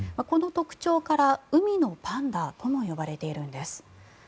この特徴から海のパンダとも呼ばれているんです。